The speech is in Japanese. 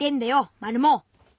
マルモ。